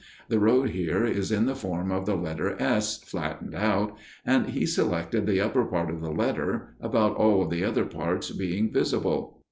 The road here is in the form of the letter S, flattened out, and he selected the upper part of the letter, about all of the other parts being visible.